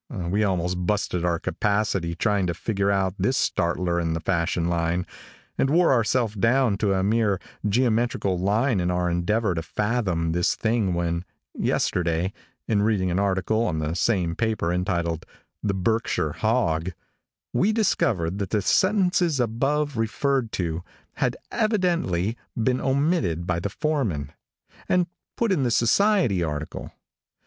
We almost busted our capacity trying to figure out this startler in the fashion line, and wore ourself down to a mere geometrical line in our endeavor to fathom this thing when, yesterday, in reading an article in the same paper entitled, "The Berkshire Hog," we discovered that the sentences above referred to had evidently been omitted by the foreman, and put in the society article.